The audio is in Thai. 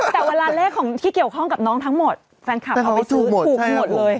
แต่เวลาเลขของที่เกี่ยวข้องกับน้องทั้งหมดแฟนคลับเอาไปซื้อถูกกันหมดเลย